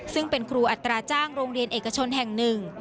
ซึ่งเป็นครูอัตราจ้างโรงเรียนเอกชนแห่งหนึ่ง